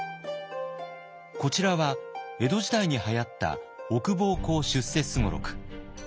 こちらは江戸時代にはやった「奥奉公出世雙六」。